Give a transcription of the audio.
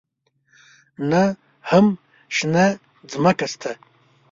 نه هم شنه ځمکه شته.